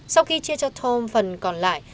sau khi chia cho thôm phần còn lại